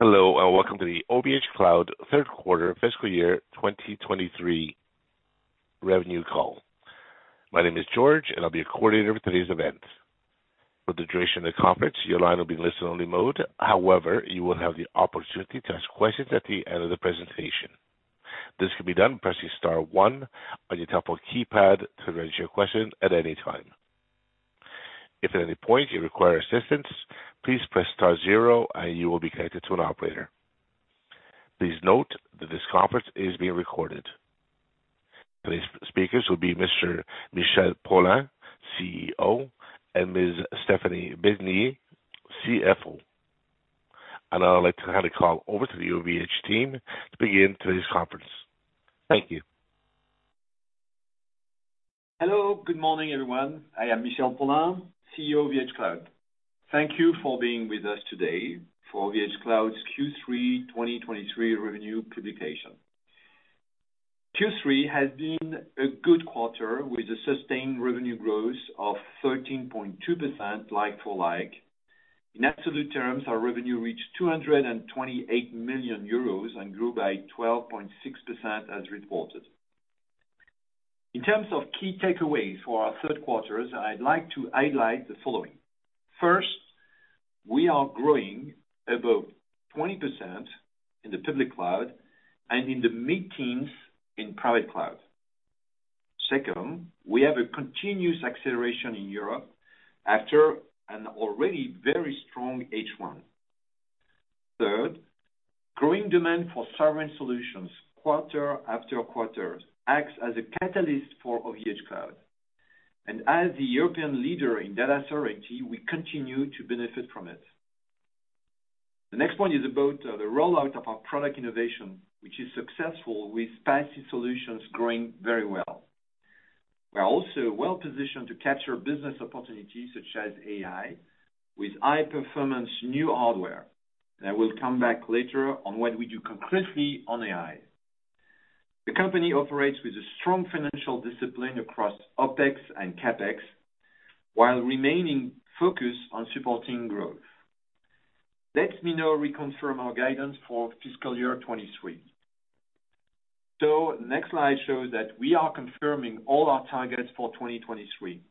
Hello, and welcome to the OVHcloud third quarter fiscal year 2023 revenue call. My name is George, and I'll be your coordinator for today's event. For the duration of the conference, your line will be in listen-only mode. However, you will have the opportunity to ask questions at the end of the presentation. This can be done by pressing star one on your telephone keypad to raise your question at any time. If at any point you require assistance, please press star zero, and you will be connected to an operator. Please note that this conference is being recorded. Today's speakers will be Mr. Michel Paulin, CEO, and Ms. Stéphanie Besnier, CFO. I'd like to hand the call over to the OVH team to begin today's conference. Thank you. Hello, good morning, everyone. I am Michel Paulin, CEO of OVHcloud. Thank you for being with us today for OVHcloud's Q3 2023 revenue publication. Q3 has been a good quarter with a sustained revenue growth of 13.2% like-for-like. In absolute terms, our revenue reached 228 million euros and grew by 12.6% as reported. In terms of key takeaways for our third quarter, I'd like to highlight the following. First, we are growing above 20% in the public cloud and in the mid-teens in private cloud. Second, we have a continuous acceleration in Europe after an already very strong H1. Third, growing demand for sovereign solutions, quarter after quarter, acts as a catalyst for OVHcloud, and as the European leader in data sovereignty, we continue to benefit from it. The next point is about the rollout of our product innovation, which is successful, with PaaS solutions growing very well. We are also well positioned to capture business opportunities such as AI, with high-performance new hardware. I will come back later on what we do concretely on AI. The company operates with a strong financial discipline across OpEx and CapEx, while remaining focused on supporting growth. Let me now reconfirm our guidance for fiscal year 2023. Next slide shows that we are confirming all our targets for 2023.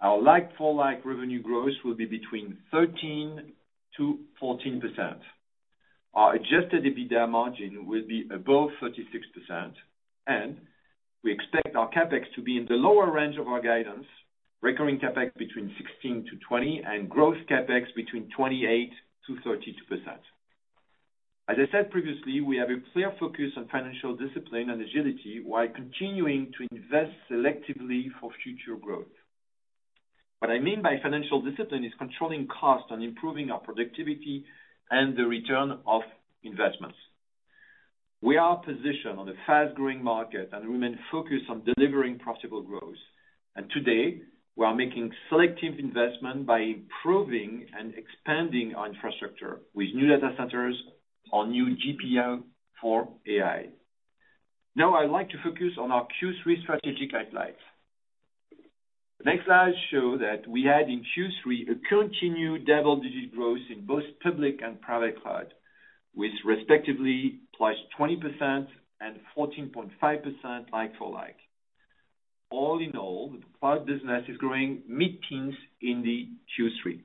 Our like-for-like revenue growth will be between 13%-14%. Our Adjusted EBITDA margin will be above 36%, and we expect our CapEx to be in the lower range of our guidance, recurring CapEx between 16%-20%, and growth CapEx between 28%-32%. As I said previously, we have a clear focus on financial discipline and agility while continuing to invest selectively for future growth. What I mean by financial discipline is controlling costs and improving our productivity and the return of investments. We are positioned on a fast-growing market, we remain focused on delivering profitable growth. Today, we are making selective investment by improving and expanding our infrastructure with new data centers on new GPU for AI. Now, I'd like to focus on our Q3 strategic highlights. The next slide show that we had in Q3 a continued double-digit growth in both public and private cloud, with respectively plus 20% and 14.5% like-for-like. All in all, the cloud business is growing mid-teens in the Q3.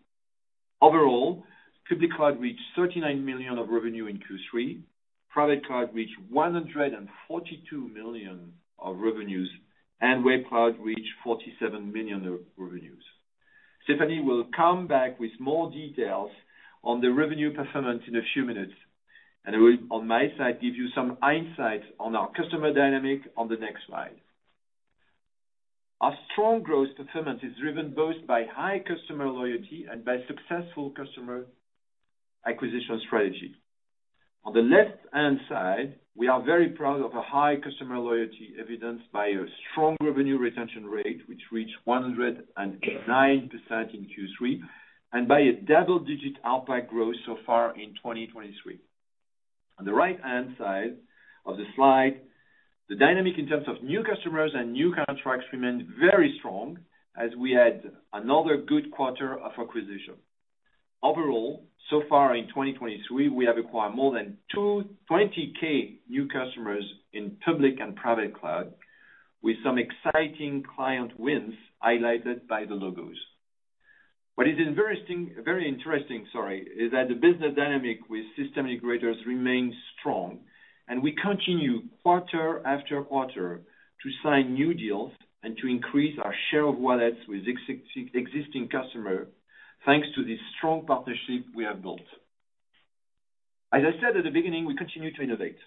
Overall, public cloud reached 39 million of revenue in Q3, private cloud reached 142 million of revenues, and Web Cloud reached 47 million of revenues. Stéphanie will come back with more details on the revenue performance in a few minutes. I will, on my side, give you some insights on our customer dynamic on the next slide. Our strong growth performance is driven both by high customer loyalty and by successful customer acquisition strategy. On the left-hand side, we are very proud of a high customer loyalty evidenced by a strong revenue retention rate, which reached 109% in Q3, and by a double-digit ARPU growth so far in 2023. On the right-hand side of the slide, the dynamic in terms of new customers and new contracts remains very strong as we had another good quarter of acquisition. Overall, so far in 2023, we have acquired more than 220,000 new customers in public and private cloud, with some exciting client wins highlighted by the logos. What is interesting, very interesting, sorry, is that the business dynamic with system integrators remains strong, we continue quarter after quarter to sign new deals and to increase our share of wallets with existing customers, thanks to the strong partnership we have built. As I said at the beginning, we continue to innovate.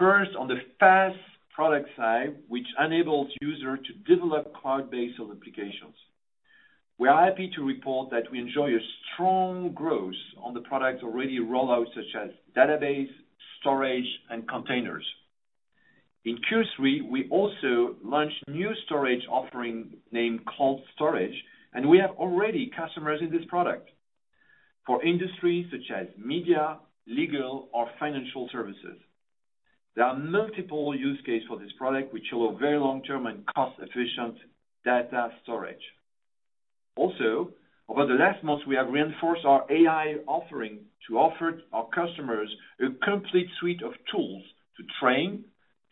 On the PaaS product side, which enables users to develop cloud-based applications. We are happy to report that we enjoy a strong growth on the products already rollout, such as database, storage, and containers. In Q3, we also launched new storage offering named Cold Storage, we have already customers in this product for industries such as media, legal, or financial services. There are multiple use case for this product, which allow very long-term and cost-efficient data storage. Also, over the last months, we have reinforced our AI offering to offer our customers a complete suite of tools to train,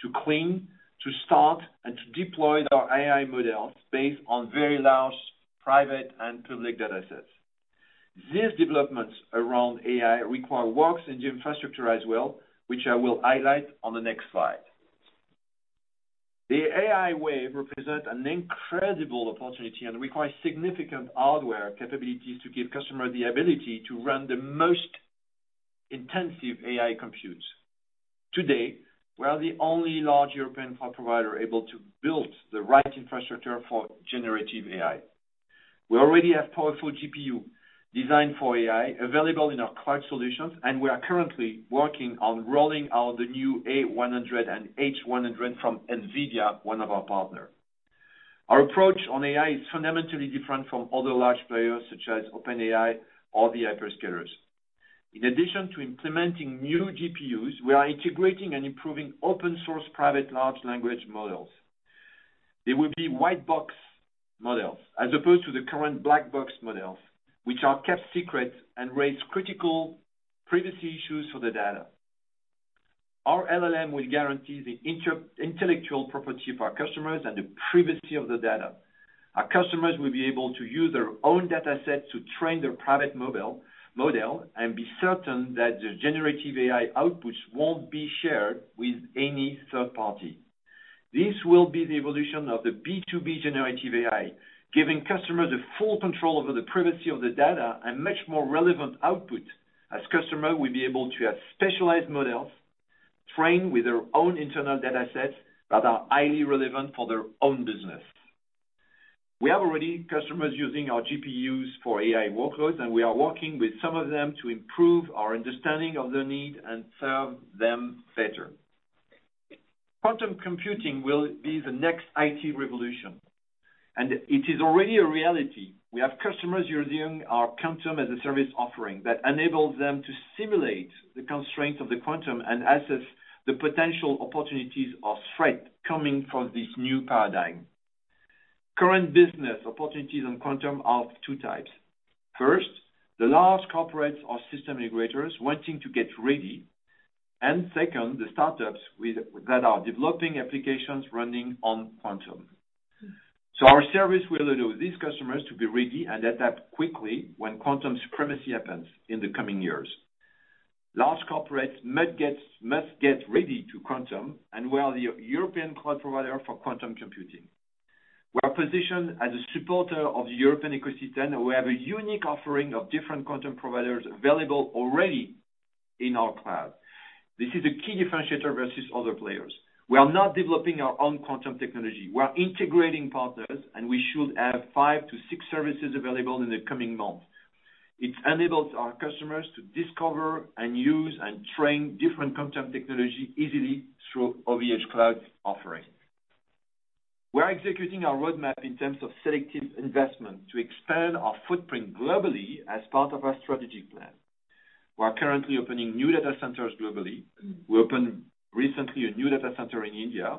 to clean, to start, and to deploy our AI models based on very large, private, and public data sets. These developments around AI require works in the infrastructure as well, which I will highlight on the next slide. The AI wave represents an incredible opportunity and requires significant hardware capabilities to give customers the ability to run the most intensive AI computes. Today, we are the only large European cloud provider able to build the right infrastructure for generative AI. We already have powerful GPU designed for AI available in our cloud solutions, and we are currently working on rolling out the new A100 and H100 from NVIDIA, one of our partner. Our approach on AI is fundamentally different from other large players such as OpenAI or the hyperscalers. In addition to implementing new GPUs, we are integrating and improving open source private large language models. They will be white box models, as opposed to the current black box models, which are kept secret and raise critical privacy issues for the data. Our LLM will guarantee the intellectual property of our customers and the privacy of the data. Our customers will be able to use their own data set to train their private model, and be certain that the generative AI outputs won't be shared with any third party. This will be the evolution of the B2B generative AI, giving customers the full control over the privacy of the data and much more relevant output, as customer will be able to have specialized models trained with their own internal data sets that are highly relevant for their own business. We have already customers using our GPUs for AI workloads, and we are working with some of them to improve our understanding of their need and serve them better. Quantum computing will be the next IT revolution, and it is already a reality. We have customers using our Quantum-as-a-service offering that enables them to simulate the constraints of the quantum and assess the potential opportunities of threat coming from this new paradigm. Current business opportunities on quantum are of two types. The large corporates or system integrators wanting to get ready, and second, the startups that are developing applications running on Quantum. Our service will allow these customers to be ready and adapt quickly when Quantum supremacy happens in the coming years. Large corporates must get ready to Quantum, and we are the European cloud provider for Quantum computing. We are positioned as a supporter of the European ecosystem, and we have a unique offering of different Quantum providers available already in our cloud. This is a key differentiator versus other players. We are not developing our own Quantum technology. We are integrating partners, and we should have five to six services available in the coming months. It enables our customers to discover, and use, and train different Quantum technology easily through OVHcloud offering. We are executing our roadmap in terms of selective investment to expand our footprint globally as part of our strategic plan. We are currently opening new data centers globally. We opened recently a new data center in India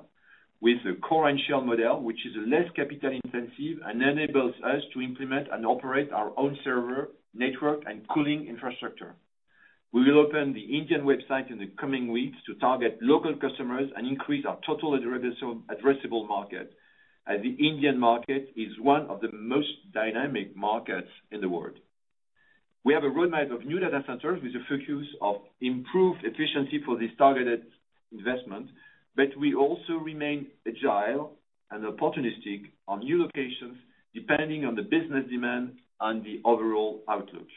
with a core and shell model, which is less capital intensive and enables us to implement and operate our own server, network, and cooling infrastructure. We will open the Indian website in the coming weeks to target local customers and increase our total addressable market, as the Indian market is one of the most dynamic markets in the world. We have a roadmap of new data centers with a focus of improved efficiency for this targeted investment. We also remain agile and opportunistic on new locations, depending on the business demand and the overall outlook.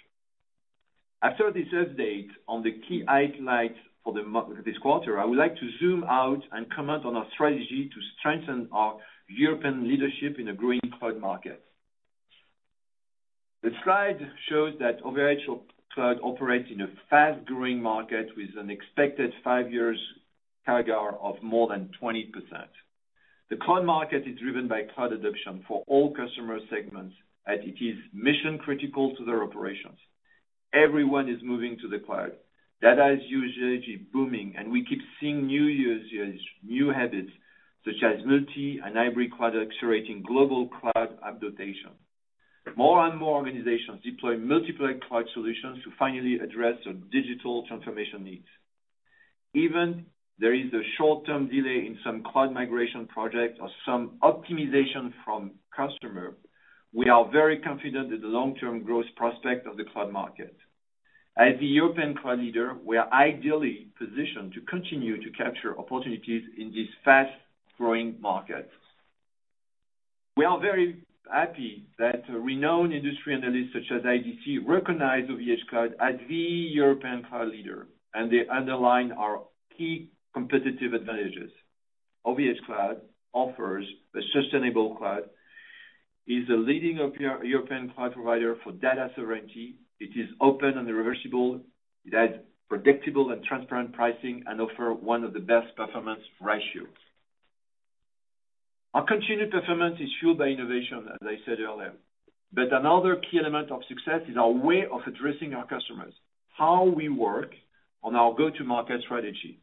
After this update on the key highlights for this quarter, I would like to zoom out and comment on our strategy to strengthen our European leadership in a growing cloud market. The slide shows that OVHcloud operates in a fast-growing market with an expected 5 years CAGR of more than 20%. The cloud market is driven by cloud adoption for all customer segments, as it is mission-critical to their operations. Everyone is moving to the cloud. Data usage is booming, we keep seeing new usage, new habits, such as multi and hybrid cloud, accelerating global cloud adoption. More and more organizations deploy multiple cloud solutions to finally address their digital transformation needs. Even there is a short-term delay in some cloud migration projects or some optimization from customer, we are very confident in the long-term growth prospect of the cloud market. As the European cloud leader, we are ideally positioned to continue to capture opportunities in this fast-growing market. We are very happy that renowned industry analysts, such as IDC, recognize OVHcloud as the European cloud leader. They underline our key competitive advantages. OVHcloud offers a sustainable cloud, is a leading European cloud provider for data sovereignty. It is open and reversible. It has predictable and transparent pricing and offer one of the best performance ratios. Our continued performance is fueled by innovation, as I said earlier. Another key element of success is our way of addressing our customers, how we work on our go-to-market strategy.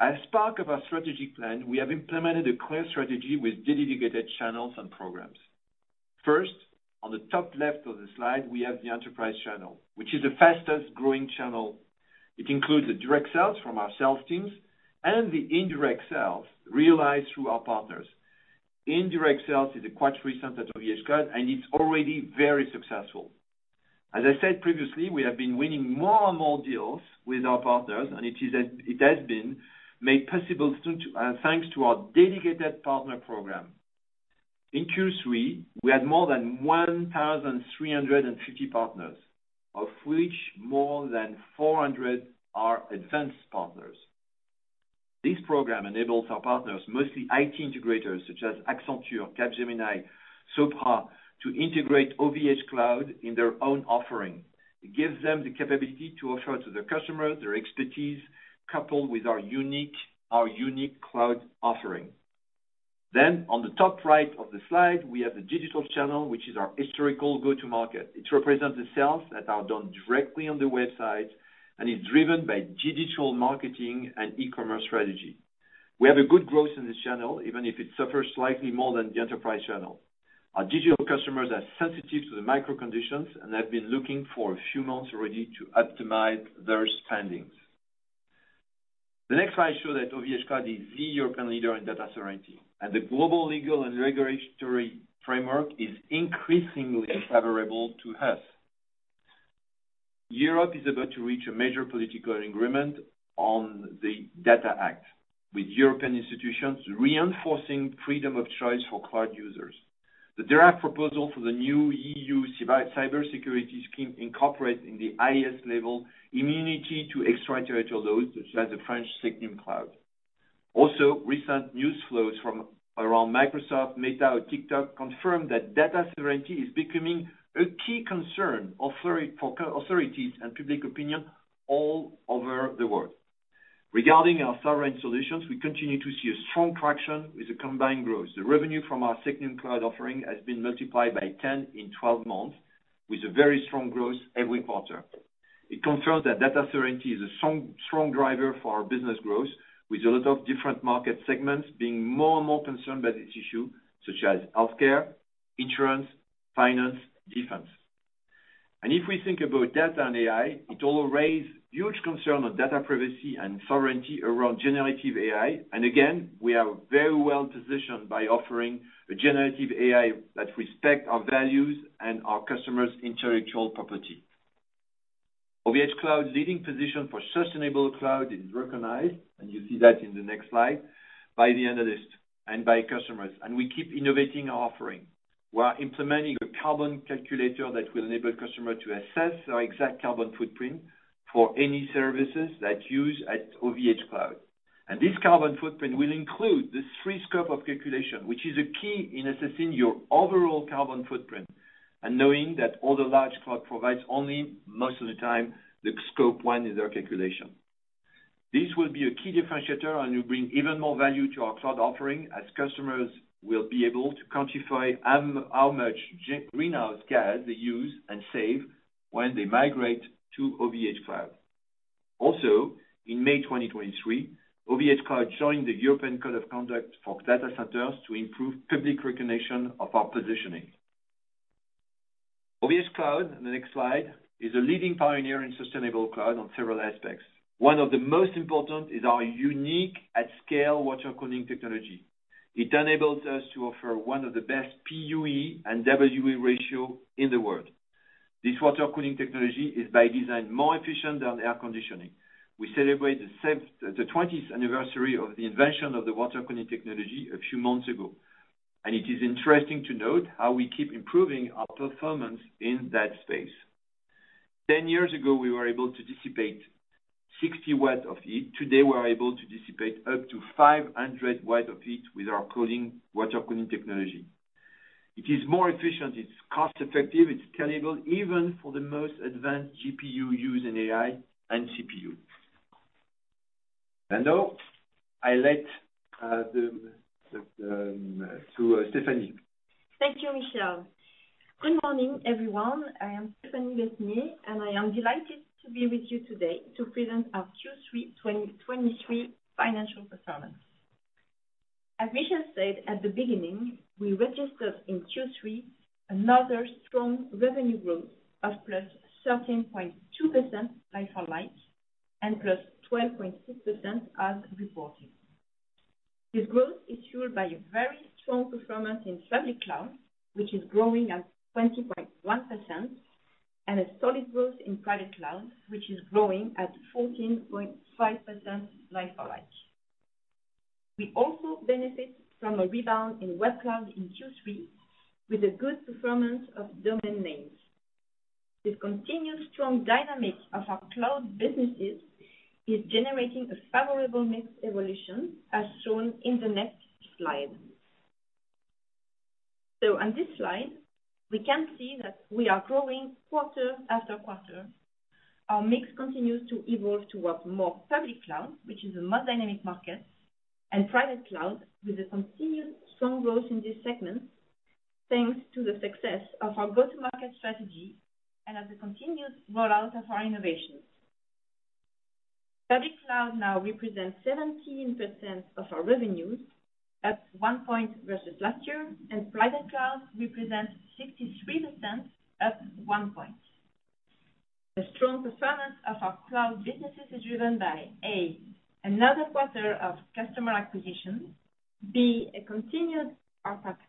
As part of our strategic plan, we have implemented a clear strategy with dedicated channels and programs. First, on the top left of the slide, we have the enterprise channel, which is the fastest-growing channel. It includes the direct sales from our sales teams and the indirect sales realized through our partners. Indirect sales is a quite recent at OVHcloud, and it's already very successful. As I said previously, we have been winning more and more deals with our partners, and it has been made possible thanks to our dedicated partner program. In Q3, we had more than 1,350 partners, of which more than 400 are advanced partners. This program enables our partners, mostly IT integrators such as Accenture, Capgemini, Sopra, to integrate OVHcloud in their own offering. It gives them the capability to offer to their customers their expertise, coupled with our unique cloud offering. On the top right of the slide, we have the digital channel, which is our historical go-to-market. It represents the sales that are done directly on the website and is driven by digital marketing and e-commerce strategy. We have a good growth in this channel, even if it suffers slightly more than the enterprise channel. Our digital customers are sensitive to the macro conditions and have been looking for a few months already to optimize their spendings. The next slide shows that OVHcloud is the European leader in data sovereignty, and the global legal and regulatory framework is increasingly favorable to us. Europe is about to reach a major political agreement on the Data Act, with European institutions reinforcing freedom of choice for cloud users. The draft proposal for the new EU cybersecurity scheme incorporates in the highest level immunity to extraterritorial laws, such as the French SecNumCloud. Recent news flows from around Microsoft, Meta, or TikTok confirm that data sovereignty is becoming a key concern for authorities and public opinion all over the world. Regarding our sovereign solutions, we continue to see a strong traction with a combined growth. The revenue from our SecNumCloud offering has been multiplied by 10 in 12 months, with a very strong growth every quarter. It confirms that data sovereignty is a strong driver for our business growth, with a lot of different market segments being more and more concerned by this issue, such as healthcare, insurance, finance, defense. If we think about data and AI, it all raise huge concern on data privacy and sovereignty around generative AI. Again, we are very well positioned by offering a generative AI that respect our values and our customers' intellectual property. OVHcloud's leading position for sustainable cloud is recognized, and you see that in the next slide, by the analyst and by customers, and we keep innovating our offering. We are implementing a carbon calculator that will enable customer to assess our exact carbon footprint for any services that use at OVHcloud. This carbon footprint will include this three scope of calculation, which is a key in assessing your overall carbon footprint and knowing that all the large cloud provides only, most of the time, the Scope 1 in their calculation. This will be a key differentiator and will bring even more value to our cloud offering, as customers will be able to quantify how much greenhouse gas they use and save when they migrate to OVHcloud. In May 2023, OVHcloud joined the European Code of Conduct for data centers to improve public recognition of our positioning. OVHcloud, in the next slide, is a leading pioneer in sustainable cloud on several aspects. One of the most important is our unique at-scale water cooling technology. It enables us to offer one of the best PUE and WUE ratio in the world. This water cooling technology is by design, more efficient than air conditioning. We celebrate the 20th anniversary of the invention of the water cooling technology a few months ago. It is interesting to note how we keep improving our performance in that space. Ten years ago, we were able to dissipate 60 watts of heat. Today, we are able to dissipate up to 500 watts of heat with our water cooling technology. It is more efficient, it's cost-effective, it's scalable, even for the most advanced GPU used in AI and CPU. Now, I let the to Stéphanie. Thank you, Michel. Good morning, everyone. I am Stéphanie Besnier. I am delighted to be with you today to present our Q3 2023 financial performance. As Michel said at the beginning, we registered in Q3 another strong revenue growth of +13.2% like-for-like and +12.6% as reported. This growth is fueled by a very strong performance in public cloud, which is growing at 20.1%. A solid growth in private cloud, which is growing at 14.5% like-for-like. We also benefit from a rebound in Web Cloud in Q3 with a good performance of domain names. This continued strong dynamic of our cloud businesses is generating a favorable mix evolution, as shown in the next slide. On this slide, we can see that we are growing quarter after quarter. Our mix continues to evolve towards more public cloud, which is a more dynamic market, and private cloud, with a continued strong growth in this segment, thanks to the success of our go-to-market strategy and of the continued rollout of our innovations. Public cloud now represents 17% of our revenues, up 1 point versus last year, and private cloud represents 63%, up 1 point. The strong performance of our cloud businesses is driven by, A, another quarter of customer acquisition, B, a continued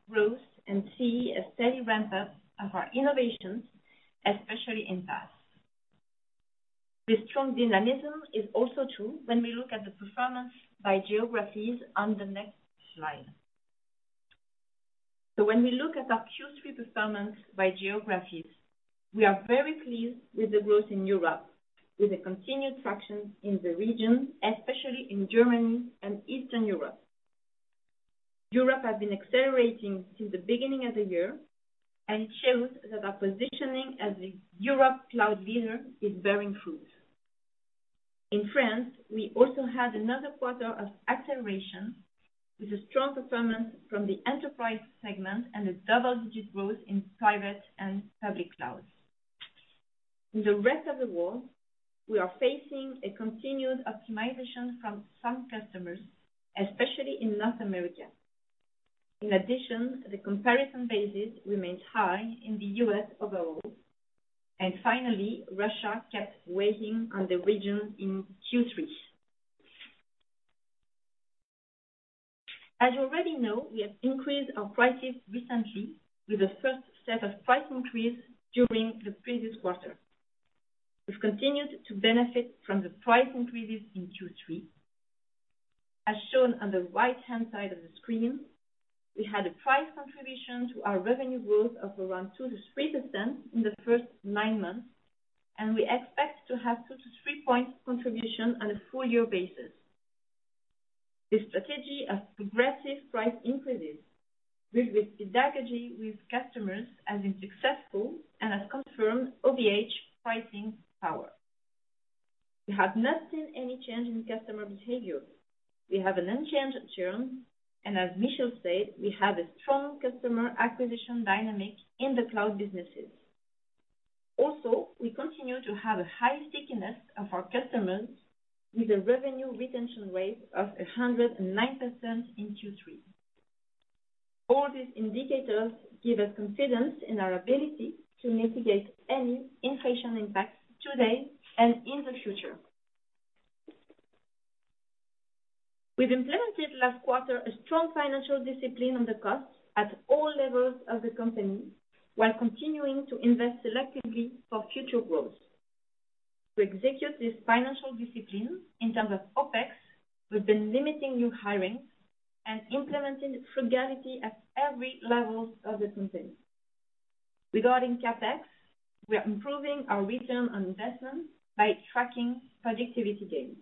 growth, and C, a steady ramp-up of our innovations, especially in PaaS. This strong dynamism is also true when we look at the performance by geographies on the next slide. When we look at our Q3 performance by geographies, we are very pleased with the growth in Europe, with a continued traction in the region, especially in Germany and Eastern Europe. Europe has been accelerating since the beginning of the year, and it shows that our positioning as a Europe cloud leader is bearing fruit. In France, we also had another quarter of acceleration, with a strong performance from the enterprise segment and a double-digit growth in private and public cloud. In the rest of the world, we are facing a continued optimization from some customers, especially in North America. In addition, the comparison bases remains high in the U.S. overall. Finally, Russia kept weighing on the region in Q3. As you already know, we have increased our prices recently with the first set of price increase during the previous quarter. We've continued to benefit from the price increases in Q3. As shown on the right-hand side of the screen, we had a price contribution to our revenue growth of around 2%-3% in the first nine months. We expect to have two to three points contribution on a full year basis. This strategy of progressive price increases, built with pedagogy with customers, has been successful and has confirmed OVH pricing power. We have not seen any change in customer behavior. We have an unchanged churn. As Michel said, we have a strong customer acquisition dynamic in the cloud businesses. We continue to have a high stickiness of our customers, with a revenue retention rate of 109% in Q3. All these indicators give us confidence in our ability to mitigate any inflation impacts today and in the future. We've implemented last quarter a strong financial discipline on the costs at all levels of the company, while continuing to invest selectively for future growth. To execute this financial discipline in terms of OpEx, we've been limiting new hirings and implementing frugality at every level of the company. Regarding CapEx, we are improving our return on investment by tracking productivity gains.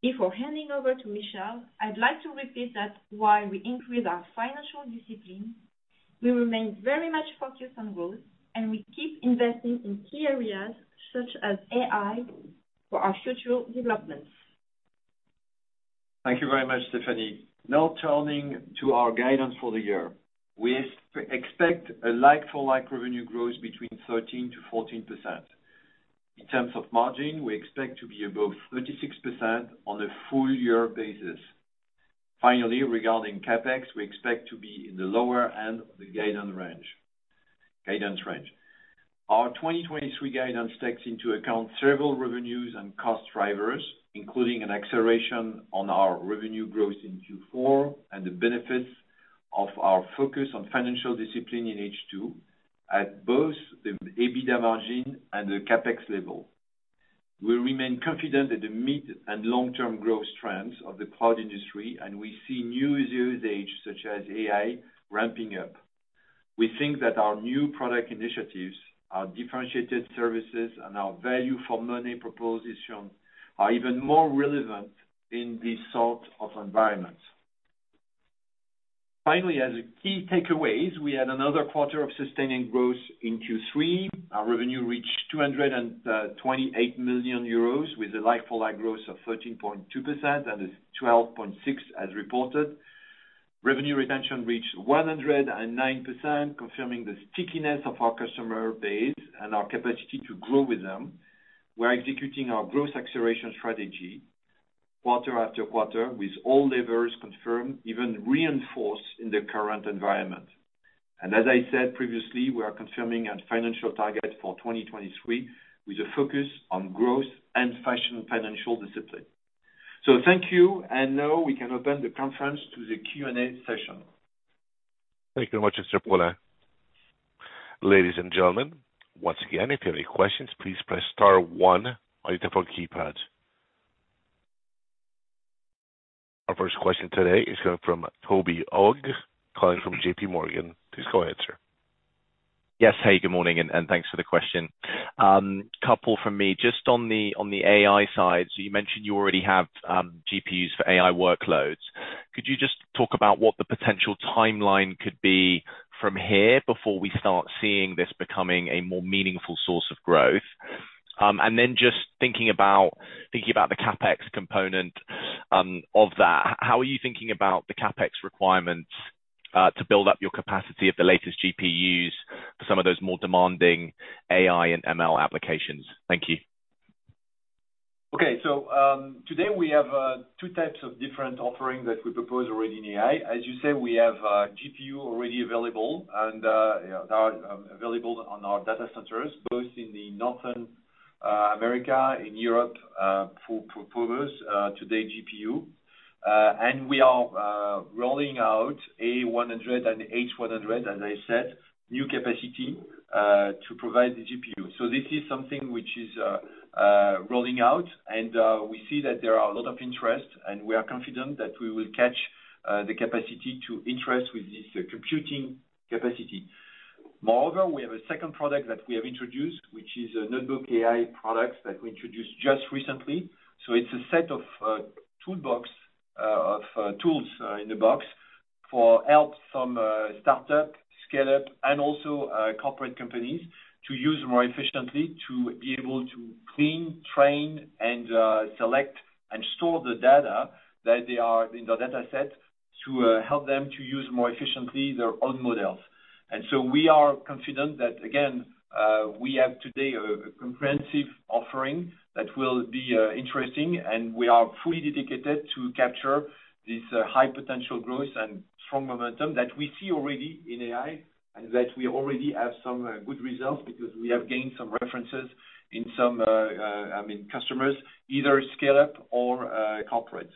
Before handing over to Michel, I'd like to repeat that while we increase our financial discipline, we remain very much focused on growth, and we keep investing in key areas such as AI for our future developments. Thank you very much, Stéphanie. Now turning to our guidance for the year. We expect a like-for-like revenue growth between 13%-14%. In terms of margin, we expect to be above 36% on a full year basis. Finally, regarding CapEx, we expect to be in the lower end of the guidance range. Our 2023 guidance takes into account several revenues and cost drivers, including an acceleration on our revenue growth in Q4 and the benefits of our focus on financial discipline in H2, at both the EBITDA margin and the CapEx level. We remain confident that the mid and long-term growth trends of the cloud industry, and we see new usage, such as AI, ramping up. We think that our new product initiatives, our differentiated services, and our value for money proposition are even more relevant in this sort of environment. Finally, as key takeaways, we had another quarter of sustaining growth in Q3. Our revenue reached 228 million euros, with a like-for-like growth of 13.2%, and it's 12.6% as reported. Revenue retention reached 109%, confirming the stickiness of our customer base and our capacity to grow with them. We're executing our growth acceleration strategy quarter after quarter, with all levers confirmed, even reinforced in the current environment. As I said previously, we are confirming our financial targets for 2023, with a focus on growth and financial discipline. Thank you, and now we can open the conference to the Q&A session. Thank you very much, Mr. Paulin. Ladies and gentlemen, once again, if you have any questions, please press star one on your telephone keypad. Our first question today is coming from Toby Ogg, calling from JPMorgan. Please go ahead, sir. Yes. Hey, good morning, and thanks for the question. Couple from me, just on the AI side, so you mentioned you already have GPUs for AI workloads. Could you just talk about what the potential timeline could be from here before we start seeing this becoming a more meaningful source of growth? Just thinking about the CapEx component of that, how are you thinking about the CapEx requirements to build up your capacity of the latest GPUs for some of those more demanding AI and ML applications? Thank you. Today we have two types of different offerings that we propose already in AI. As you say, we have GPU already available, and, yeah, available on our data centers, both in the Northern America, in Europe, for providers today, GPU. And we are rolling out A100 and H100, as I said, new capacity to provide the GPU. This is something which is rolling out, and we see that there are a lot of interest, and we are confident that we will catch the capacity to interest with this computing capacity. Moreover, we have a second product that we have introduced, which is a notebook AI products that we introduced just recently. It's a set of, toolbox, of tools, in the box for help from, start-up, scale-up, and also, corporate companies to use more efficiently, to be able to clean, train, and, select and store the data that they are in the data set, to, help them to use more efficiently their own models. We are confident that, again, we have today a comprehensive offering that will be, interesting, and we are fully dedicated to capture this, high potential growth and strong momentum that we see already in AI. We already have some, good results because we have gained some references in some, I mean, customers, either scale-up or, corporate.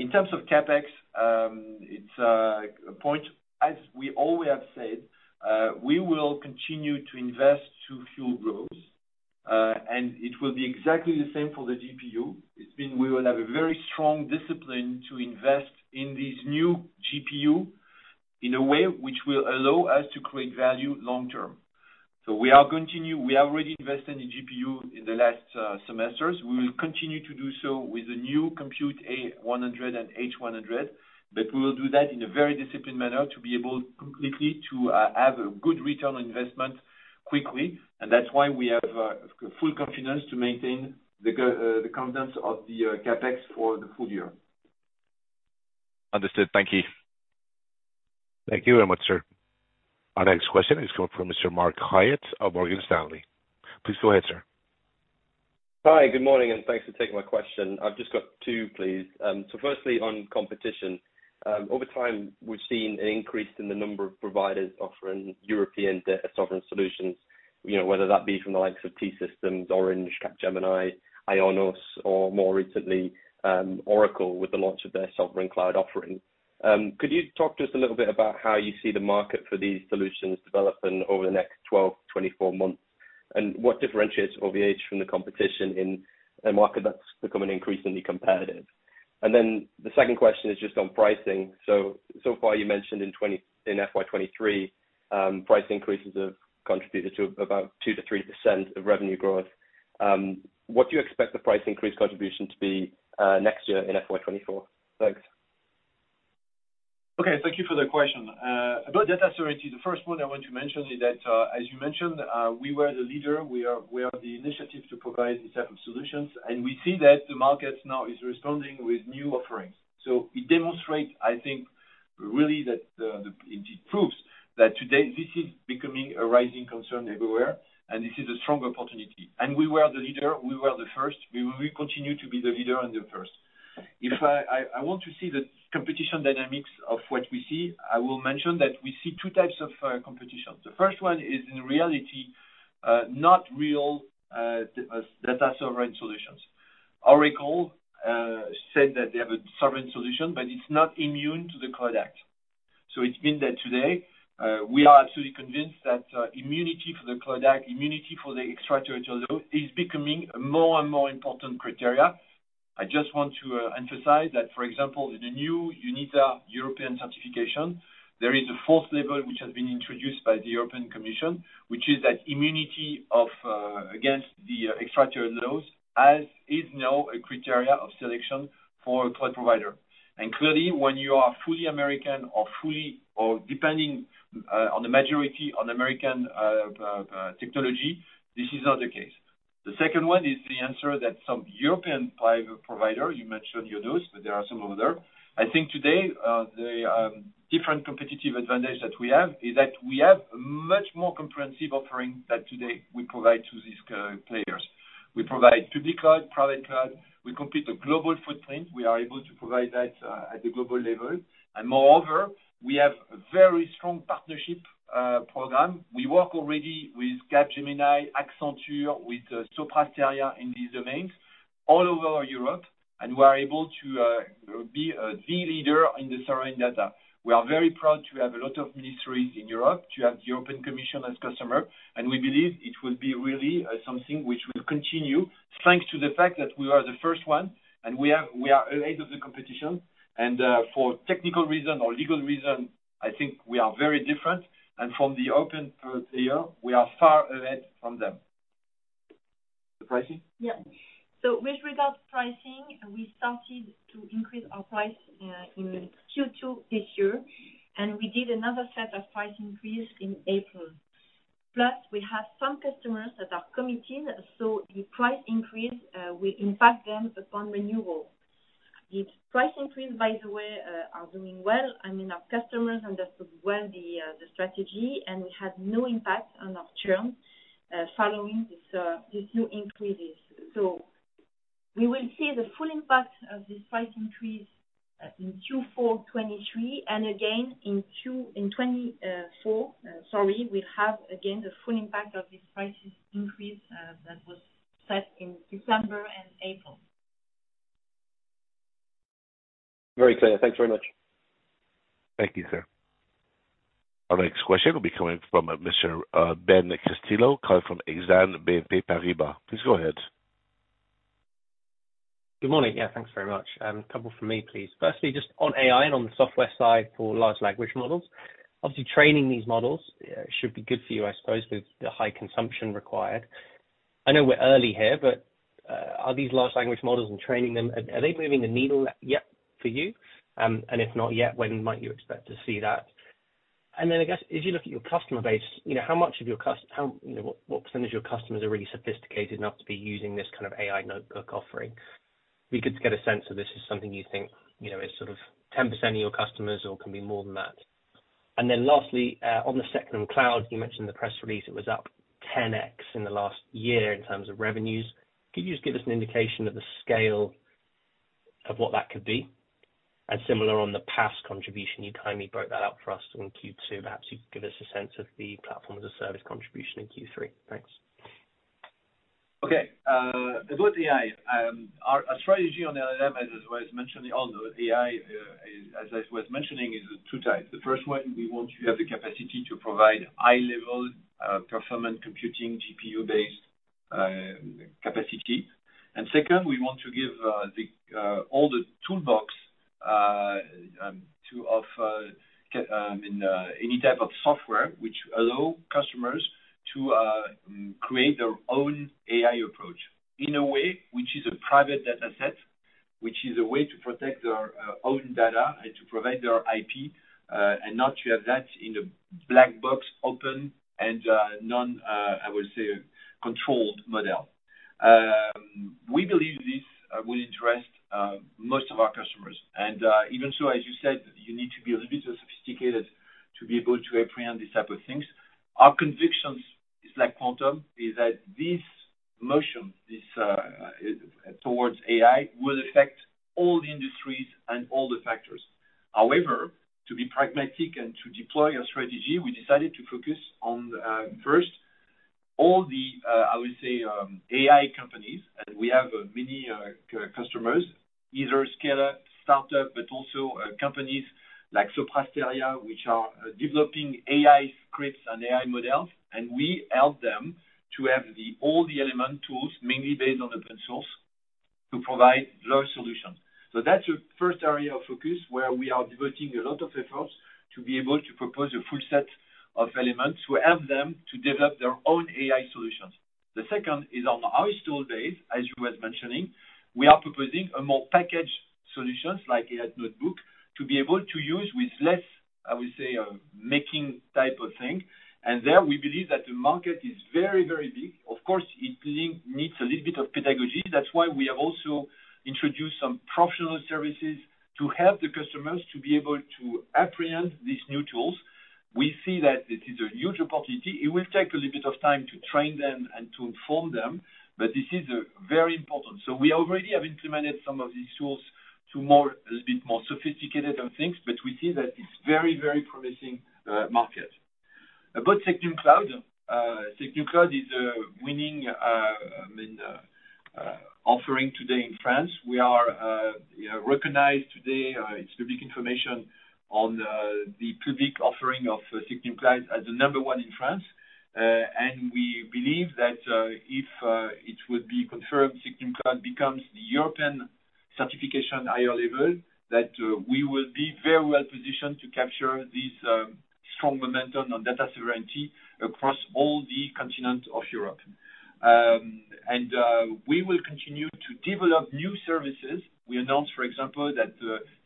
In terms of CapEx, it's a point, as we always have said, we will continue to invest to fuel growth, and it will be exactly the same for the GPU. We will have a very strong discipline to invest in this new GPU in a way which will allow us to create value long term. We have already invested in GPU in the last semesters. We will continue to do so with the new Compute A100 and H100, but we will do that in a very disciplined manner to be able completely to have a good return on investment quickly. That's why we have full confidence to maintain the confidence of the CapEx for the full year. Understood. Thank you. Thank you very much, sir. Our next question is coming from Mr. Mark Hyatt of Morgan Stanley. Please go ahead, sir. Hi, good morning, and thanks for taking my question. I've just got two, please. Firstly, on competition, over time, we've seen an increase in the number of providers offering European data sovereign solutions, you know, whether that be from the likes of T-Systems, Orange, Capgemini, IONOS, or more recently, Oracle, with the launch of their sovereign cloud offering. Could you talk to us a little bit about how you see the market for these solutions developing over the next 12, 24 months, and what differentiates OVH from the competition in a market that's becoming increasingly competitive? The second question is just on pricing. So far, you mentioned in FY 2023, price increases have contributed to about 2% to 3% of revenue growth. What do you expect the price increase contribution to be next year in FY 2024? Thanks. Okay. Thank you for the question. About data sovereignty, the first point I want to mention is that, as you mentioned, we were the leader. We are the initiative to provide these type of solutions, and we see that the market now is responding with new offerings. It demonstrates, I think, really that it proves that today this is becoming a rising concern everywhere, and this is a strong opportunity. We were the leader, we were the first. We will continue to be the leader and the first. If I want to see the competition dynamics of what we see, I will mention that we see two types of competition. The first one is, in reality, not real data sovereign solutions. Oracle said that they have a sovereign solution, but it's not immune to the CLOUD Act. It means that today, we are absolutely convinced that immunity for the CLOUD Act, immunity for the extra territorial is becoming a more and more important criteria. I just want to emphasize that, for example, in the new EUCS European certification, there is a fourth level which has been introduced by the European Commission, which is that immunity of against the extra-territorial laws, as is now a criteria of selection for a cloud provider. Clearly, when you are fully American or fully, or depending on the majority on American technology, this is not the case. The second one is the answer that some European private provider, you mentioned IONOS, but there are some other. I think today, the different competitive advantage that we have is that we have a much more comprehensive offering that today we provide to these players. We provide public cloud, private cloud, we complete a global footprint. We are able to provide that at the global level. Moreover, we have a very strong partnership program. We work already with Capgemini, Accenture, with Sopra Steria in these domains all over Europe, and we are able to be a the leader in the sovereign data. We are very proud to have a lot of ministries in Europe, to have the European Commission as customer. We believe it will be really, something which will continue thanks to the fact that we are the first one. We are ahead of the competition. For technical reason or legal reason, I think we are very different. From the open here, we are far ahead from them. The pricing? Yeah. With regards to pricing, we started to increase our price in Q2 this year, and we did another set of price increase in April. Plus, we have some customers that are committed, so the price increase will impact them upon renewal. These price increase, by the way, are doing well. I mean, our customers understood well the strategy, and we had no impact on our term following this these new increases. We will see the full impact of this price increase in Q4 2023, and again, in 2024, sorry, we'll have, again, the full impact of this price increase that was set in December and April. Very clear. Thanks very much. Thank you, sir. Our next question will be coming from Mr. Ben Castillo-Bernaus, calling from Exane BNP Paribas. Please go ahead. Good morning. Yeah, thanks very much. A couple from me, please. Firstly, just on AI and on the software side for large language models. Obviously, training these models should be good for you, I suppose, with the high consumption required. I know we're early here, are these large language models and training them, are they moving the needle yet for you? If not yet, when might you expect to see that? I guess, as you look at your customer base, you know, how much of your, you know, what percentage of your customers are really sophisticated enough to be using this kind of AI notebook offering? We could get a sense of this is something you think, you know, is sort of 10% of your customers or can be more than that. Lastly, on the SecNumCloud, you mentioned the press release, it was up 10x in the last year in terms of revenues. Could you just give us an indication of the scale of what that could be? Similar on the PaaS contribution, you kindly broke that out for us on Q2. Perhaps you could give us a sense of the platform as a service contribution in Q3. Thanks. Okay, about AI. Our strategy on AI, as I was mentioning, although AI, as I was mentioning, is two types. The first one, we want to have the capacity to provide high level performance computing, GPU-based capacity. Second, we want to give the all the toolbox to offer in any type of software which allow customers to create their own AI approach in a way which is a private data set, which is a way to protect their own data and to provide their IP and not to have that in a black box open and non, I would say, controlled model. We believe this will interest most of our customers. Even so, as you said, you need to be a little bit sophisticated to be able to apprehend these type of things. Our convictions is like Quantum, is that this motion, this towards AI, will affect all the industries and all the factors. However, to be pragmatic and to deploy a strategy, we decided to focus on first, all the, I would say, AI companies, and we have many customers, either scaler, startup, but also companies like Sopra Steria, which are developing AI scripts and AI models, and we help them to have all the element tools, mainly based on the open source, to provide large solutions. That's the first area of focus, where we are devoting a lot of efforts to be able to propose a full set of elements to help them to develop their own AI solutions. The second is on our tool base, as you were mentioning, we are proposing a more packaged solutions like AI Notebook, to be able to use with less, I would say, making type of thing. There, we believe that the market is very, very big. Of course, it needs a little bit of pedagogy. That's why we have also introduced some professional services to help the customers to be able to apprehend these new tools. We see that this is a huge opportunity. It will take a little bit of time to train them and to inform them, but this is very important. We already have implemented some of these tools to more, a little bit more sophisticated on things, but we see that it's very, very promising market. About SecNumCloud. SecNumCloud is a winning, I mean, offering today in France. We are, you know, recognized today, it's public information on the public offering of SecNumCloud as the number one in France. We believe that if it would be confirmed, SecNumCloud becomes the European certification higher level, that we will be very well positioned to capture this strong momentum on data sovereignty across all the continent of Europe. We will continue to develop new services. We announced, for example, that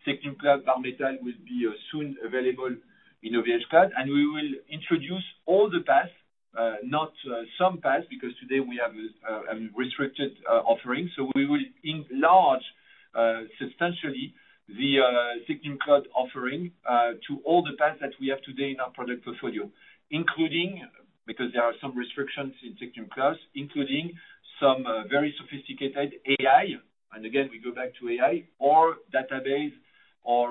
SecNumCloud Bare Metal will be soon available in OVHcloud, and we will introduce all the PaaS, not some PaaS, because today we have a restricted offering. We will enlarge substantially the SecNumCloud offering to all the PaaS that we have today in our product portfolio, including, because there are some restrictions in SecNumCloud, including some very sophisticated AI. Again, we go back to AI or database or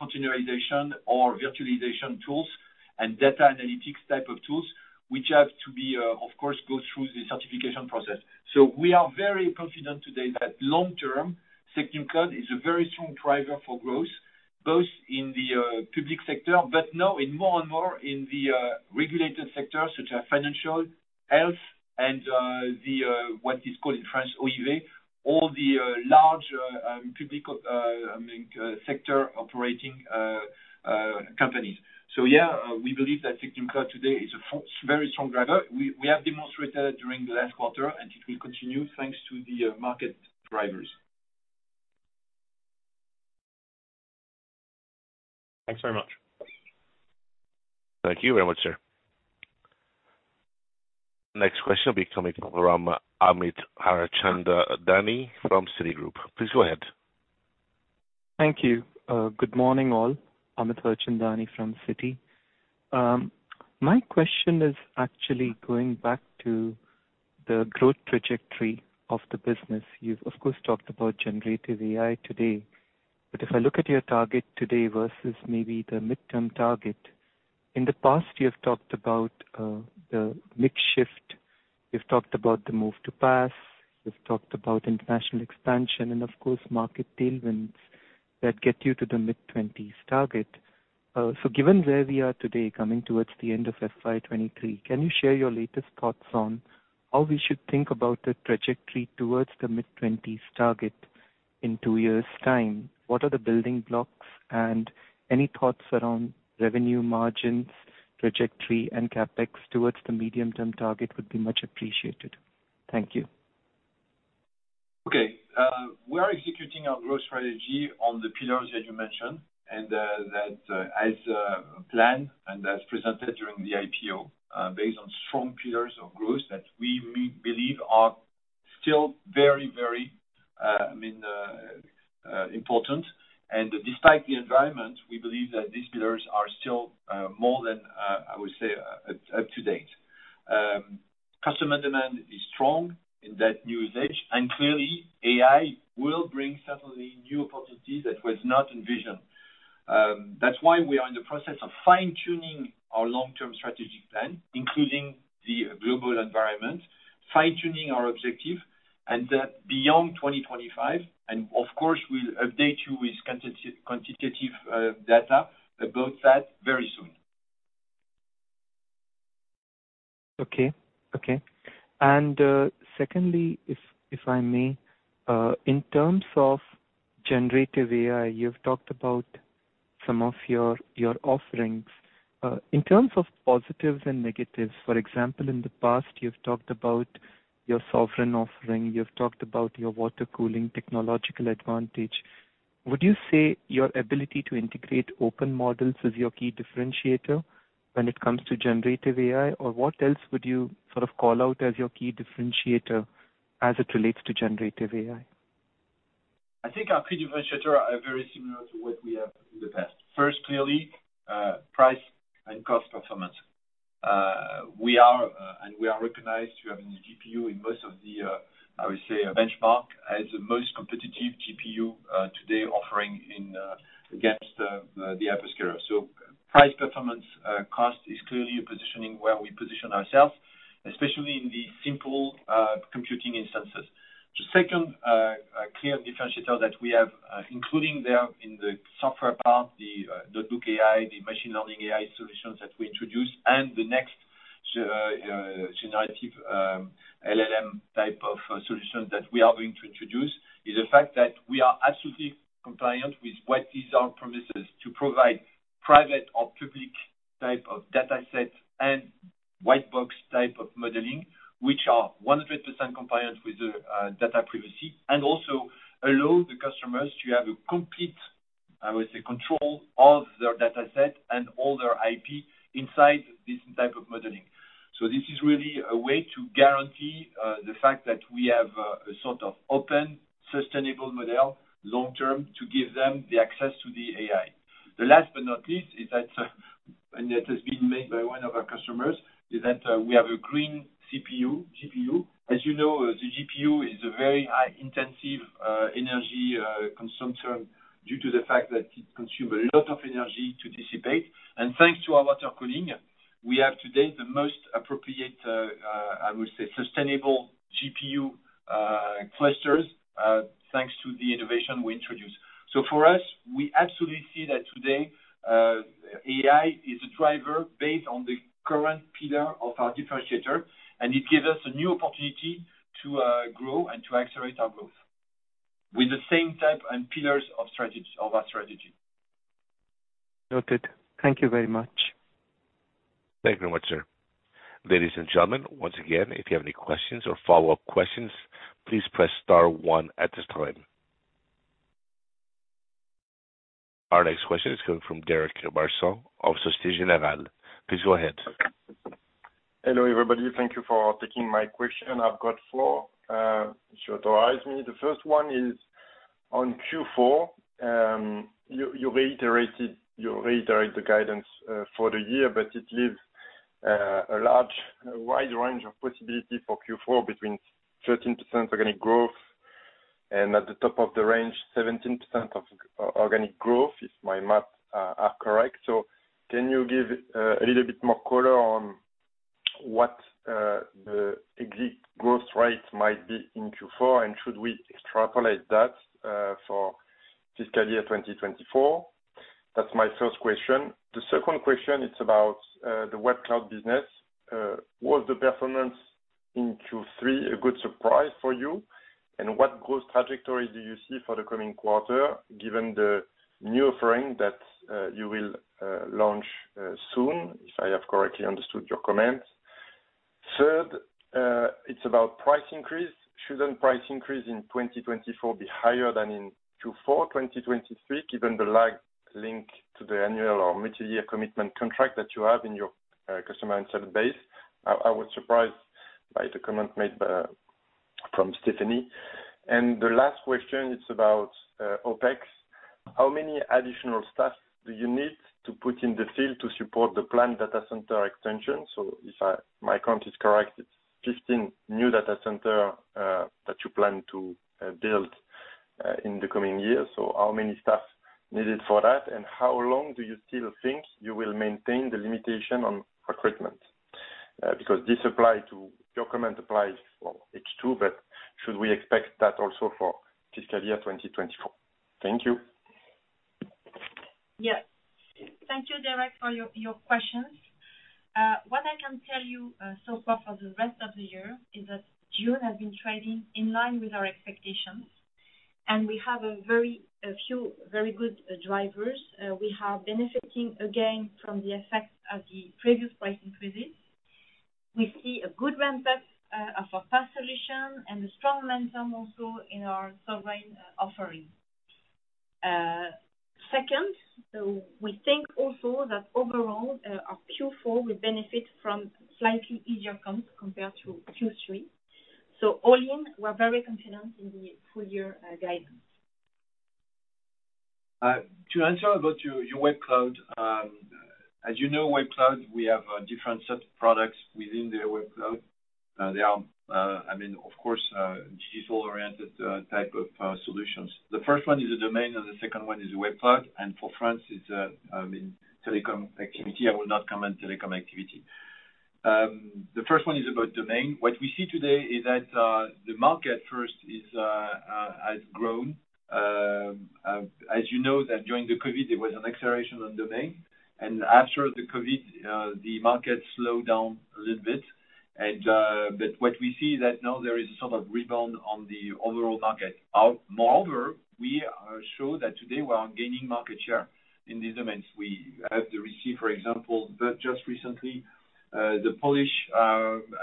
containerization or virtualization tools and data analytics type of tools, which have to be, of course, go through the certification process. We are very confident today that long-term, SecNumCloud is a very strong driver for growth, both in the public sector, but now in more and more in the regulated sector, such as financial, health and the what is called in France, OIV, all the large public, I mean, sector operating companies. We believe that SecNumCloud today is a very strong driver. We have demonstrated during the last quarter, and it will continue thanks to the market drivers. Thanks very much. Thank you very much, sir. Next question will be coming from Amit Harchandani from Citigroup. Please go ahead. Thank you. Good morning, all. Amit Harchandani from Citi. My question is actually going back to the growth trajectory of the business. You've, of course, talked about generative AI today, but if I look at your target today versus maybe the midterm target, in the past, you have talked about the mix shift, you've talked about the move to PaaS, you've talked about international expansion and of course, market tailwinds that get you to the mid-20s target. Given where we are today, coming towards the end of FY 2023, can you share your latest thoughts on how we should think about the trajectory towards the mid-20s target in two years' time? What are the building blocks, and any thoughts around revenue margins, trajectory, and CapEx towards the medium-term target would be much appreciated. Thank you. Okay. We are executing our growth strategy on the pillars that you mentioned, and that as planned and as presented during the IPO, based on strong pillars of growth that we believe are still very, very, I mean, important. Despite the environment, we believe that these pillars are still more than, I would say, up-to-date. Customer demand is strong in that usage, and clearly, AI will bring certainly new opportunities that was not envisioned. That's why we are in the process of fine-tuning our long-term strategic plan, including the global environment, fine-tuning our objective, and beyond 2025, and of course, we'll update you with quantitative data about that very soon. Okay. Okay. Secondly, if I may, in terms of generative AI, you've talked about some of your offerings. In terms of positives and negatives, for example, in the past, you've talked about your sovereign offering, you've talked about your water cooling technological advantage. Would you say your ability to integrate open models is your key differentiator when it comes to generative AI, or what else would you sort of call out as your key differentiator as it relates to generative AI? I think our key differentiator are very similar to what we have in the past. First, clearly, price and cost performance. We are, and we are recognized to have a new GPU in most of the, I would say, a benchmark, as the most competitive GPU, today, offering in, against, the upper scale. Price performance, cost is clearly a positioning where we position ourselves, especially in the simple, computing instances. The second clear differentiator that we have, including there in the software part, the book AI, the machine learning AI solutions that we introduce, and the next generative LLM type of solutions that we are going to introduce, is the fact that we are absolutely compliant with what is our promises to provide private or public type of dataset and white box type of modeling, which are 100% compliant with the data privacy, and also allow the customers to have a complete, I would say, control of their dataset and all their IP inside this type of modeling. This is really a way to guarantee the fact that we have a sort of open, sustainable model, long term, to give them the access to the AI. The last but not least, is that, and that has been made by one of our customers, is that, we have a green CPU, GPU. As you know, the GPU is a very high intensive, energy, consumption due to the fact that it consume a lot of energy to dissipate. Thanks to our water cooling, we have today the most appropriate, I would say, sustainable GPU, clusters, thanks to the innovation we introduced. For us, we absolutely see that today, AI is a driver based on the current pillar of our differentiator, and it gives us a new opportunity to grow and to accelerate our growth with the same type and pillars of strategy, of our strategy. Noted. Thank you very much. Thank you very much, sir. Ladies and gentlemen, once again, if you have any questions or follow-up questions, please press star one at this time. Our next question is coming from Derek Barua of Société Générale. Please go ahead. Hello, everybody. Thank you for taking my question. I've got 4, should arise me. The first one is on Q4. You reiterated, you reiterate the guidance for the year, but it leaves a large, a wide range of possibility for Q4, between 13% organic growth, and at the top of the range, 17% organic growth, if my math are correct. Can you give a little bit more color on what the exact growth rate might be in Q4, and should we extrapolate that for fiscal year 2024? That's my first question. The second question, it's about the Web Cloud business. Was the performance in Q3 a good surprise for you? What growth trajectory do you see for the coming quarter, given the new offering that you will launch soon, if I have correctly understood your comments? Third, it's about price increase. Shouldn't price increase in 2024 be higher than in Q4 2023, given the lag linked to the annual or multi-year commitment contract that you have in your customer and server base? I was surprised by the comment made by, from Stéphanie. The last question is about OpEx. How many additional staff do you need to put in the field to support the planned data center extension? If my count is correct, it's 15 new data center that you plan to build in the coming years. How many staff needed for that, and how long do you still think you will maintain the limitation on recruitment? Because your comment applies for H2, but should we expect that also for fiscal year 2024? Thank you. Yes. Thank you, Derek, for your questions. What I can tell you so far for the rest of the year is that June has been trading in line with our expectations, and we have a few very good drivers. We are benefiting again from the effect of the previous price increases. We see a good ramp-up of our PaaS solution and a strong momentum also in our sovereign offering. Second, we think also that overall, our Q4 will benefit from slightly easier comps compared to Q3. All in, we're very confident in the full year guidance. To answer about your Web Cloud, as you know, Web Cloud, we have a different set of products within the Web Cloud. They are, I mean, of course, digital-oriented type of solutions. The first one is a domain, and the second one is a Web Cloud, and for France, it's a telecom activity. I will not comment telecom activity. The first one is about domain. What we see today is that the market first is has grown. As you know, that during the COVID, there was an acceleration on domain, and after the COVID, the market slowed down a little bit. But what we see that now there is a sort of rebound on the overall market. Moreover, we are show that today we are gaining market share in these domains. We have to receive, for example, but just recently, the Polish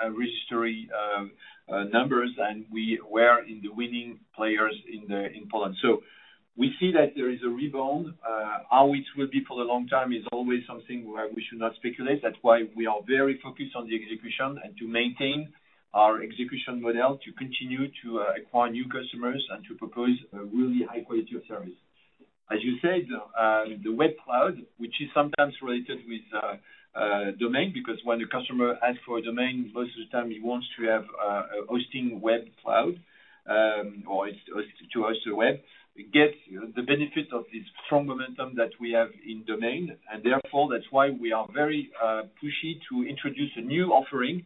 registry numbers, and we were in the winning players in Poland. We see that there is a rebound. How it will be for a long time is always something where we should not speculate. That's why we are very focused on the execution and to maintain our execution model, to continue to acquire new customers and to propose a really high quality of service. As you said, the Web Cloud, which is sometimes related with domain, because when the customer asks for a domain, most of the time he wants to have a hosting Web Cloud, or it's to host a web, gets the benefit of this strong momentum that we have in domain, therefore, that's why we are very pushy to introduce a new offering,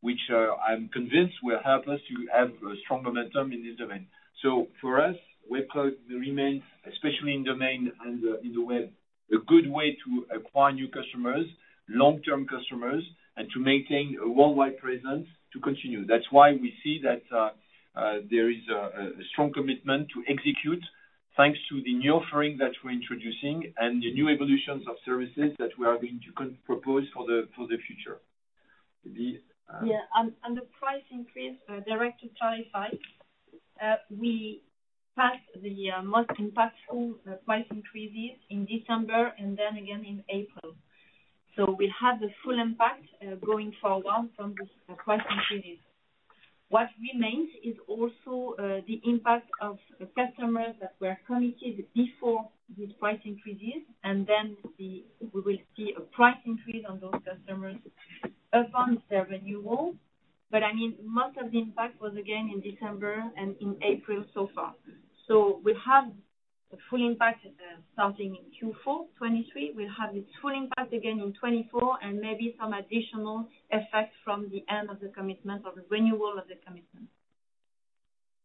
which I'm convinced will help us to have a strong momentum in this domain. For us, Web Cloud remains, especially in domain and in the web, a good way to acquire new customers, long-term customers, and to maintain a worldwide presence to continue. That's why we see that, there is a strong commitment to execute, thanks to the new offering that we're introducing and the new evolutions of services that we are going to propose for the future. On, on the price increase, direct to clarify, we passed the most impactful price increases in December and then again in April. We have the full impact going forward from this price increases. What remains is also the impact of the customers that were committed before these price increases, and then we will see a price increase on those customers upon their renewal. I mean, most of the impact was, again, in December and in April so far. We have the full impact, starting in Q4 2023. We'll have the full impact again in 2024 and maybe some additional effects from the end of the commitment or the renewal of the commitment.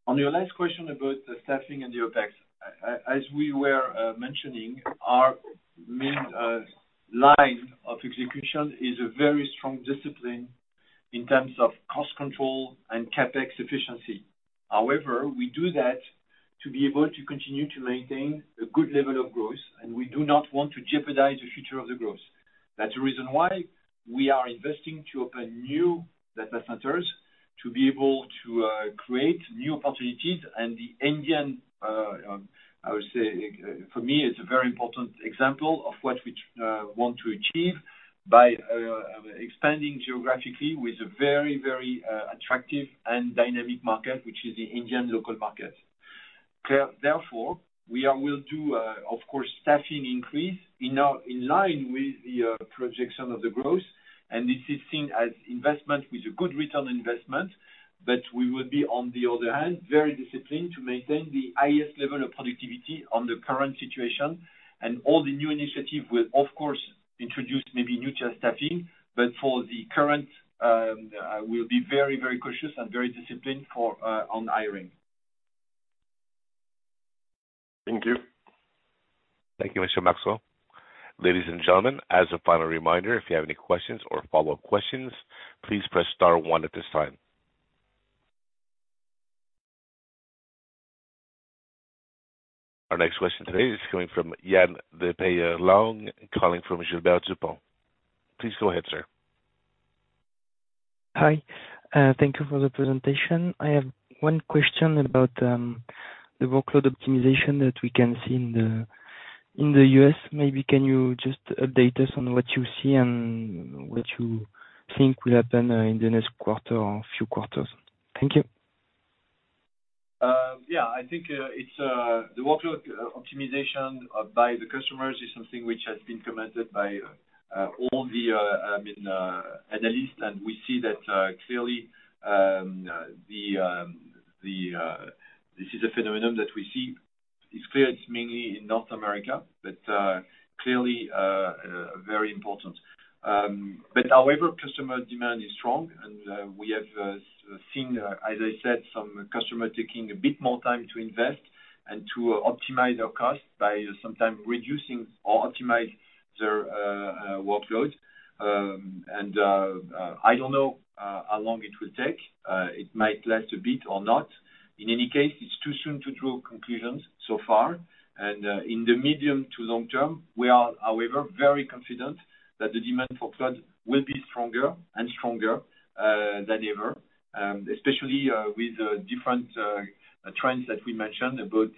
On your last question about the staffing and the OpEx, as we were mentioning, our main line of execution is a very strong discipline in terms of cost control and CapEx efficiency. However, we do that to be able to continue to maintain a good level of growth, and we do not want to jeopardize the future of the growth. That's the reason why we are investing to open new data centers, to be able to create new opportunities and the Indian, I would say, for me, it's a very important example of what we want to achieve by expanding geographically with a very, very attractive and dynamic market, which is the Indian local market. Clear. Therefore, we will do, of course, staffing increase in line with the projection of the growth, and this is seen as investment with a good return on investment, but we will be, on the other hand, very disciplined to maintain the highest level of productivity on the current situation. All the new initiative will, of course, introduce maybe new just staffing, but for the current, we'll be very, very cautious and very disciplined for on hiring. Thank you. Thank you, Mr. Barua. Ladies and gentlemen, as a final reminder, if you have any questions or follow-up questions, please press star one at this time. Our next question today is coming from Jan Depere Long, calling from Gilbert Dupont. Please go ahead, sir. Hi, thank you for the presentation. I have 1 question about the workload optimization that we can see in the U.S. Maybe can you just update us on what you see and what you think will happen in the next quarter or a few quarters? Thank you. Yeah, I think it's the workload optimization by the customers is something which has been commented by all the, I mean, analysts. We see that clearly, this is a phenomenon that we see. It's clear it's mainly in North America, but clearly very important. However, customer demand is strong, and we have seen, as I said, some customer taking a bit more time to invest and to optimize their cost by sometimes reducing or optimize their workload. I don't know how long it will take. It might last a bit or not. In any case, it's too soon to draw conclusions so far. In the medium to long term, we are, however, very confident that the demand for cloud will be stronger and stronger than ever, especially with different trends that we mentioned about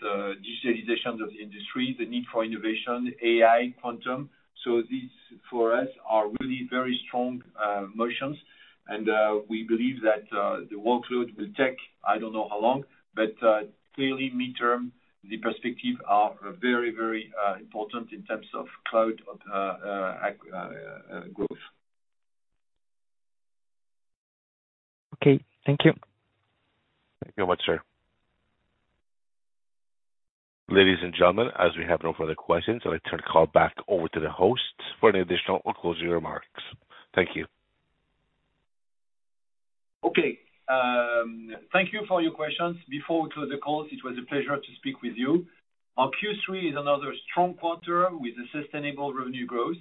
digitalization of the industry, the need for innovation, AI, Quantum. These, for us, are really very strong motions, and we believe that the workload will take I don't know how long, but clearly midterm, the perspective are very, very important in terms of cloud growth. Okay. Thank you. Thank you very much, sir. Ladies and gentlemen, as we have no further questions, I'll return the call back over to the host for any additional or closing remarks. Thank you. Okay. Thank you for your questions. Before we close the call, it was a pleasure to speak with you. Our Q3 is another strong quarter with a sustainable revenue growth.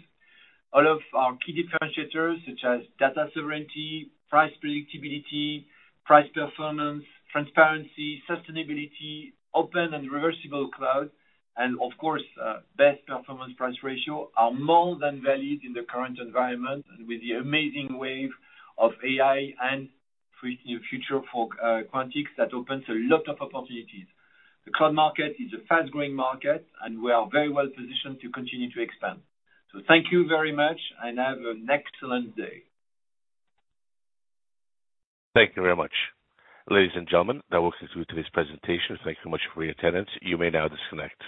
All of our key differentiators, such as data sovereignty, price predictability, price performance, transparency, sustainability, open and reversible cloud, and of course, best performance price ratio, are more than valued in the current environment and with the amazing wave of AI and free in future for Quantum, that opens a lot of opportunities. The cloud market is a fast-growing market, and we are very well positioned to continue to expand. Thank you very much, and have an excellent day. Thank you very much. Ladies and gentlemen, that walks us through today's presentation. Thank you so much for your attendance. You may now disconnect.